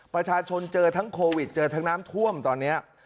ประชาชนเจอทั้งโควิดเจอทั้งน้ำท่วมตอนนี้